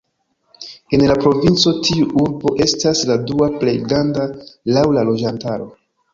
En la provinco tiu urbo estas la dua plej granda laŭ la loĝantaro.